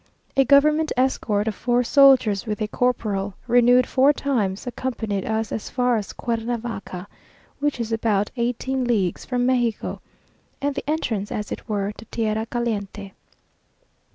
A government escort of four soldiers with a corporal, renewed four times, accompanied us as far as Cuernavaca, which is about eighteen leagues from Mexico, and the entrance as it were to tierra caliente.